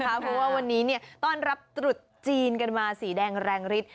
เพราะว่าวันนี้ต้อนรับตรุษจีนกันมาสีแดงแรงฤทธิ